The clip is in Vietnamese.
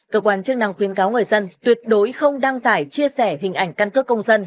cơ quan chức năng khuyến cáo người dân tuyệt đối không đăng tải chia sẻ hình ảnh căn cước công dân